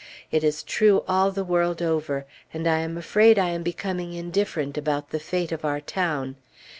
It is true all the world over. And I am afraid I am becoming indifferent about the fate of our town.